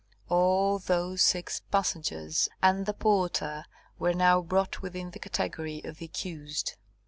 All those six passengers and the porter were now brought within the category of the accused.